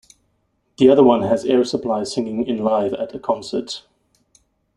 The other one has Air Supply singing in live at a concert.